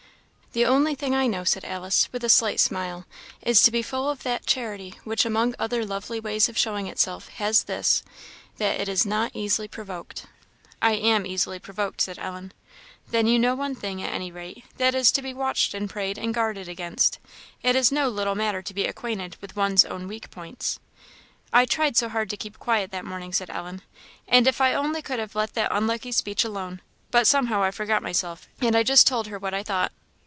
"The only thing I know," said Alice, with a slight smile, "is to be full of that charity which among other lovely ways of showing itself, has this that it is 'not easily provoked.' " "I am easily provoked," said Ellen. "Then you know one thing, at any rate, that is to be watched and prayed and guarded against; it is no little matter to be acquainted with one's own weak points." "I tried so hard to keep quiet that morning," said Ellen; "and if I only could have let that unlucky speech alone but somehow I forgot myself, and I just told her what I thought."